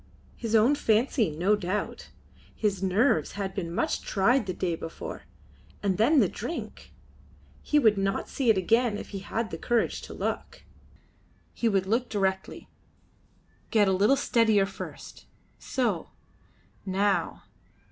His own fancy, no doubt. His nerves had been much tried the day before and then the drink! He would not see it again if he had the courage to look. He would look directly. Get a little steadier first. So. Now.